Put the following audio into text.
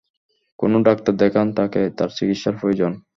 কোনো ডাক্তার দেখান তাকে, তার চিকিৎসার প্রয়োজন।